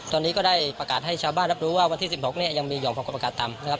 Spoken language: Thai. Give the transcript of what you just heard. ตอนนี้ก็ได้ประกาศให้ชาวบ้านรับรู้ว่าวันที่๑๖เนี่ยยังมีหอมความกดอากาศต่ำนะครับ